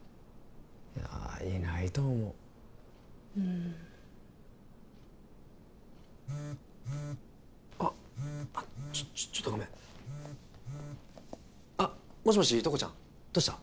いやいないと思ううんあっあっちょっちょっとごめんあっもしもし塔子ちゃんどうした？